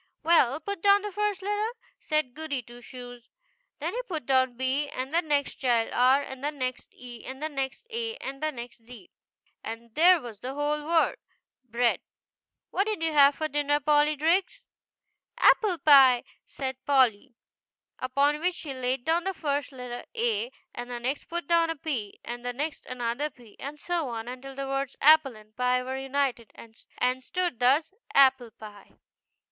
" Well, put down the first letter," said Goody Two Shoes. Then he put down B, and the next child R, and the. next E, and the next A, and the next D, and there was the wole word BREAD. GOODY TWO SHOES. " What did you have for dinner, Polly Driggs ?"" Apple pie," said Polly ; upon which she laid down the first letter, A, and the next put down a P, and the next another P, and so on until the words Apple and Pie were united, and stood thus: APPLE PIE.